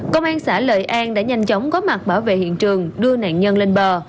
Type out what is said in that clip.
công an xã lợi an đã nhanh chóng có mặt bảo vệ hiện trường đưa nạn nhân lên bờ